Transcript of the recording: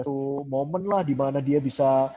satu momen lah dimana dia bisa